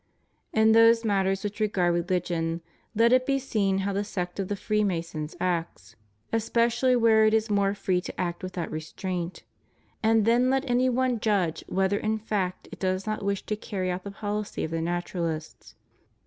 In those matters which regard religion let it be seen how the sect of the Freemasons acts, especially where it is more free to act without restraint, and then let any one judge whether in fact it does not wish to carry out the policy of the Naturalists.